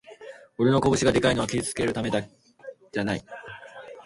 俺の拳がでかいのは傷つけるためじゃない